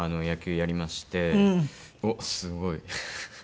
おっすごい。